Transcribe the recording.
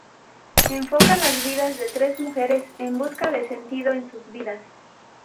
Enfoca las vidas de tres mujeres en busca de sentido en sus vidas.